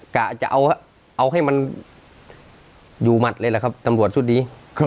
กะจะเอาให้มันอยู่หมัดเลยแหละครับตำรวจชุดนี้